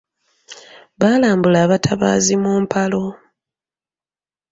Baalambula abatabaazi mu mpalo.